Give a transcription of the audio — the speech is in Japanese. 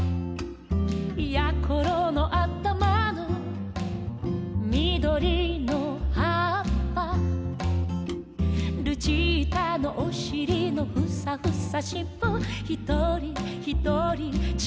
「やころのあたまのみどりのはっぱ」「ルチータのおしりのふさふさしっぽ」「ひとりひとりちがうもの」